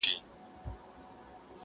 د وصل شپې مي د هر خوب سره پیوند وهلي٫